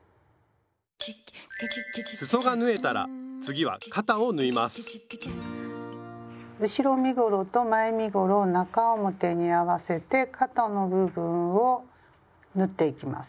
すそが縫えたら次は肩を縫います後ろ身ごろと前身ごろを中表に合わせて肩の部分を縫っていきます。